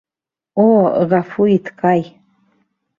О, ғәфү ит, Кай!..